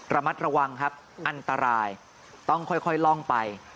ระมัดระวังครับอันตรายต้องค่อยล่องไป